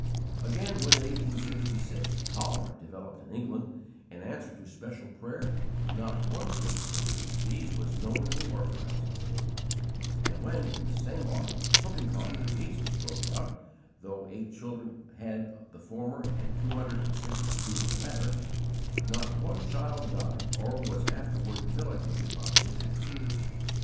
Again, when, in 1866, cholera developed in England, in answer to special prayer not one case of this disease was known in the orphan houses; and when, in the same autumn, whooping cough and measles broke out, though eight children had the former and two hundred and sixty two, the latter, not one child died, or was afterward debilitated by the attack.